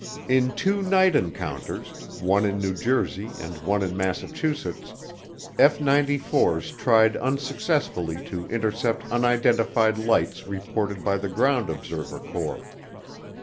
In two night encounters, one in New Jersey and one in Massachusetts, F 94's tried unsuccessfully to intercept unidentified lights reported by the Ground Observer Corps.